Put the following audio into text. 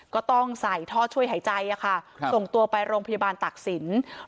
ก็ต้องใส่ท่อช่วยหายใจค่ะส่งตัวไปโรงพยาบาลตักศิลป์